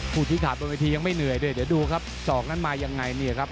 ชี้ขาดบนเวทียังไม่เหนื่อยด้วยเดี๋ยวดูครับศอกนั้นมายังไงเนี่ยครับ